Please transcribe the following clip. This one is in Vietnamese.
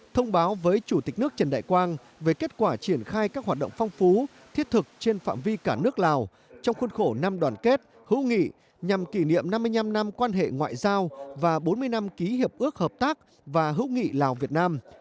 thông báo với chủ tịch nước trần đại quang về kết quả triển khai các hoạt động phong phú thiết thực trên phạm vi cả nước lào trong khuôn khổ năm đoàn kết hữu nghị nhằm kỷ niệm năm mươi năm năm quan hệ ngoại giao và bốn mươi năm ký hiệp ước hợp tác và hữu nghị lào việt nam